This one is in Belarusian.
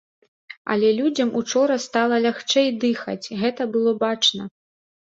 Але людзям учора стала лягчэй дыхаць, гэта было бачна.